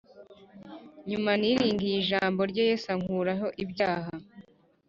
Nyuma niringiye ijambo rye yesu ankuraho ibyaha